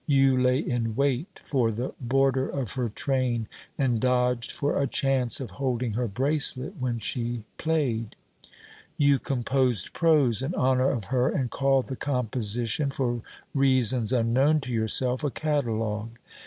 You lay in wait for the border of her train, and dodged for a chance of holding her bracelet when she played. You composed prose in honour of her and called the composition (for reasons unknown to yourself) a "catalogue."